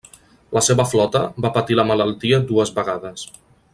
La seva flota va patir la malaltia dues vegades.